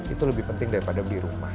itu lebih penting daripada di rumah